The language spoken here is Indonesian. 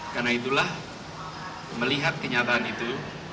karena itulah melihat kenyataan itu